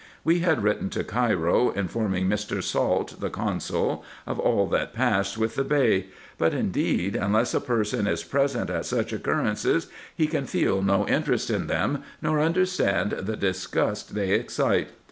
We had written to Cairo, informing Mr. Salt, the consul, of all that passed with the Bey ; but indeed, unless a person is present at such occurrences, he can feel no interest in them, nor understand the disgust they excite.